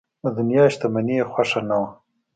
د دنیا شتمني یې خوښه نه وه.